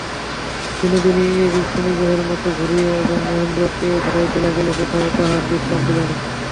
বিনোদিনী এইরূপ শনিগ্রহের মতো ঘুরিতে এবং মহেন্দ্রকে ঘুরাইতে লাগিল–কোথাও তাহাকে বিশ্রাম দিল না।